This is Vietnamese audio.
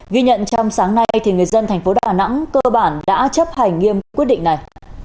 ghi nhận trong sáng nay thì người dân tp đà nẵng cơ bản đã chấp hành nghiêm quyết định này